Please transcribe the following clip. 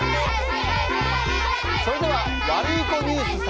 それではワルイコニュース様。